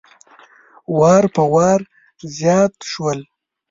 وار په وار زیات شول.